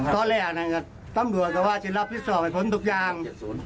ตอนแรกตำรวจก็ว่าจะรับผิดชอบให้พ้นทุกอย่าง